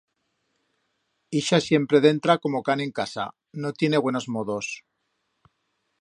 Ixe siempre dentra como o can en casa, no tiene buenos modos!